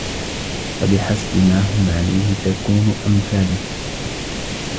فَبِحَسَبِ مَا هُمْ عَلَيْهِ تَكُونُ أَمْثَالُهُمْ